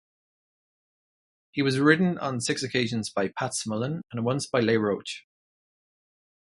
He was ridden on six occasions by Pat Smullen and once by Leigh Roche.